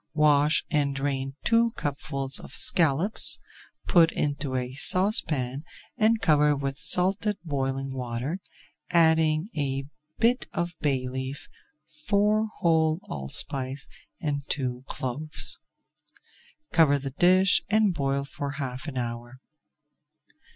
Wash and drain two cupfuls of scallops, put into a saucepan and cover with salted boiling water, adding a bit of bay leaf, four whole allspice, and two cloves. Cover the dish and boil for half an hour.